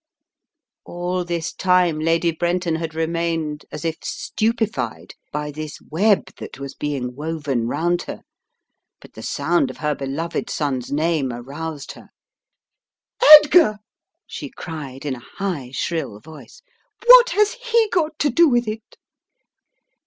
All this time Lady Brenton had remained as if stupefied by this web that was being woven round her, but the sound of her beloved son's name aroused her. "Edgar!" she cried in a high, shrill voice. "What has he got to do with it?"